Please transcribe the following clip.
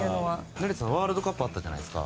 成田さんワールドカップあったじゃないですか。